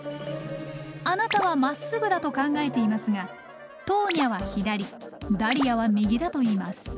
あなたはまっすぐだと考えていますがトーニャは左ダリアは右だと言います。